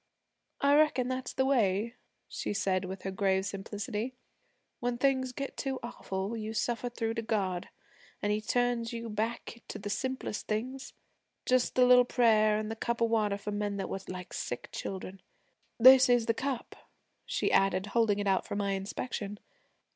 I reckon that's the way,' she said with her grave simplicity, 'when things get too awful you suffer through to God, an' He turns you back to the simplest things just the little prayer, an' the cup of water for men that were like sick children. This is the cup,' she added, holding it out for my inspection.